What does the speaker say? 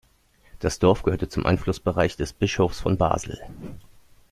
Das Dorf gehörte zum Einflussbereich des Bischofs von Basel.